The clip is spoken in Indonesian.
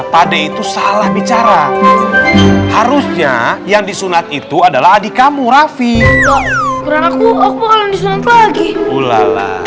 pada itu salah bicara harusnya yang disunat itu adalah adik kamu raffi aku aku lagi ulala